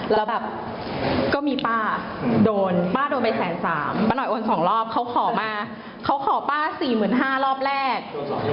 แล้วแบบก็มีป้าโดนป้าโดนไปแสนสามป้าหน่อยโอน๒รอบเขาขอมาเขาขอป้า๔๕๐๐รอบแรก